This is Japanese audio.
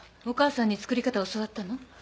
お母さんに作り方教わったの？